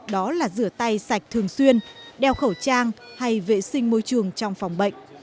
đó là rửa tay sạch thường xuyên đeo khẩu trang hay vệ sinh môi trường trong phòng bệnh